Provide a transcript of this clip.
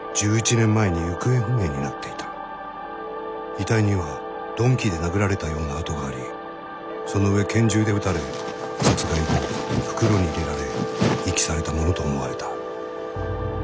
遺体には鈍器で殴られたような痕がありその上拳銃で撃たれ殺害後袋に入れられ遺棄されたものと思われた。